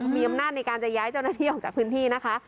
มีอำนาจในการจะย้ายเจ้าหน้าที่ออกจากพื้นที่นะคะ